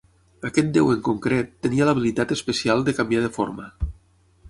Aquest déu en concret, tenia l'habilitat especial de canviar de forma.